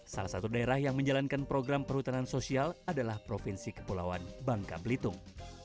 salah satu daerah yang menjalankan program perhutanan sosial adalah provinsi kepulauan bangka belitung